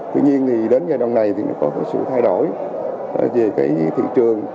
tuy nhiên thì đến giai đoạn này thì nó có cái sự thay đổi về cái thị trường